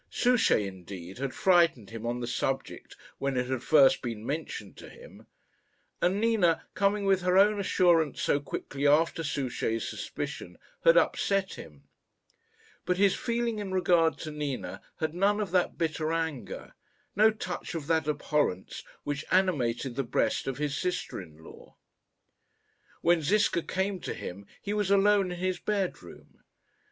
Souchey, indeed, had frightened him on the subject when it had first been mentioned to him; and Nina, coming with her own assurance so quickly after Souchey's suspicion, had upset him; but his feeling in regard to Nina had none of that bitter anger, no touch of that abhorrence which animated the breast of his sister in law. When Ziska came to him he was alone in his bedroom.